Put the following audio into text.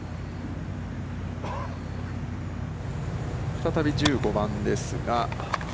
再び１５番ですが。